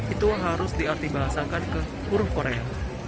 itu harus diartibasakan ke huruf korea